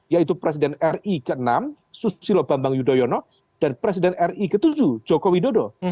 yaitu presiden ri ke enam susilo bambang yudhoyono dan presiden ri ke tujuh jokowi dodo